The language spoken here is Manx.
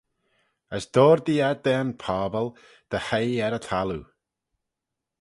As doardee eh da'n pobble dy hoie er y thalloo.